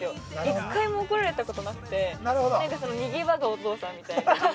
一回も怒られたことなくて、逃げ場がお父さんみたいな。